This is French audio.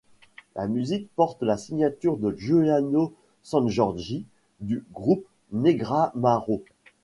La musique porte la signature de Giuliano Sangiorgi du groupe Negramaro.